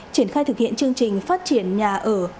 triển khai thực hiện chương trình phát triển nhà ở